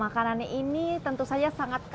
makanannya ini tentu saja sangat